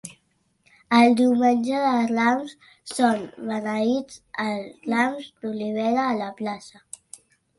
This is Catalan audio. El Diumenge de Rams són beneïts els rams d'olivera a la plaça.